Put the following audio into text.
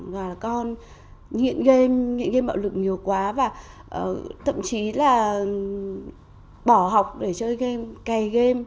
gọi là con nghiện game nghĩ game bạo lực nhiều quá và thậm chí là bỏ học để chơi game cày game